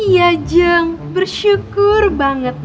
ya jeng bersyukur banget